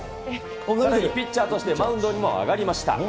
さらにピッチャーとしてマウンドにも上がりました。